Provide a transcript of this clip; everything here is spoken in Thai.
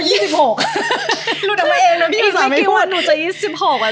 หลุดออกมาเองแล้วพี่สามารถไม่คิดว่าหนูจะ๒๖อะ